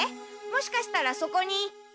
もしかしたらそこに。